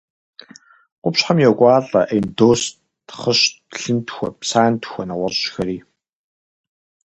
Къупщхьэм йокӏуалӏэ эндост, хъыщт, лъынтхуэ, псантхуэ, нэгъуэщӏхэри.